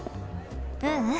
ううん。